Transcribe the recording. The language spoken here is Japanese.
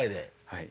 はい。